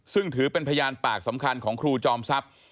ซึ่งถือเป็นพยานปากสำคัญของครูจอมทรัพย์